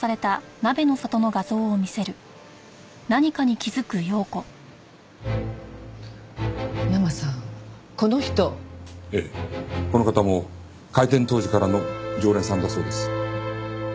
この方も開店当時からの常連さんだそうです。